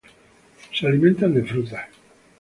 Se alimentan de frutas.